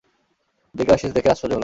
জেগে আছিস দেখে আশ্চর্য হলাম।